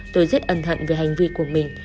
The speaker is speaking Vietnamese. tôi rất ân hận về hành vi của mình